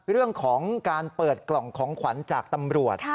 เรื่องของการเปิดกล่องของขวัญจากตำรวจ